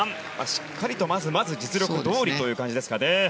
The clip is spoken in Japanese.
しっかりとまずまず実力どおりという感じですかね。